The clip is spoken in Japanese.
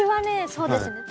そうですね。